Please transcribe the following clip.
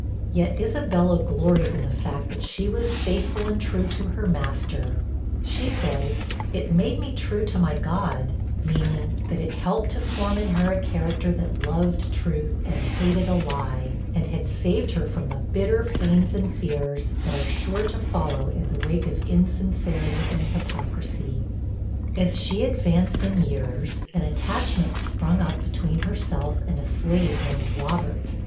Yet Isabella glories in the fact that she was faithful and true to her master; she says, 'It made me true to my God' meaning, that it helped to form in her a character that loved truth, and hated a lie, and had saved her from the bitter pains and fears that are sure to follow in the wake of insincerity and hypocrisy. As she advanced in years, an attachment sprung up between herself and a slave named Robert.